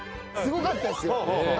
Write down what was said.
すごかったですよ。